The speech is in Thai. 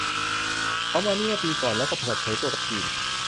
เขามานี่เมื่อปีก่อนแล้วก็เปิดเผยตัวกับจีน